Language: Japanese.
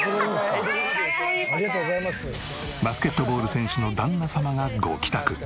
バスケットボール選手の旦那様がご帰宅。